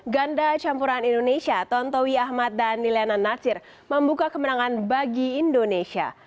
ganda campuran indonesia tontowi ahmad dan liliana natsir membuka kemenangan bagi indonesia